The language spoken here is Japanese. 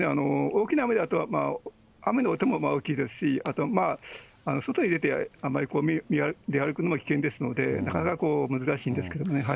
大きな雨だと、雨の音も大きいですし、あと外に出てあまり出歩くのも危険ですので、なかなか難しいんですけどね。